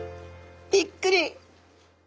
びっくり！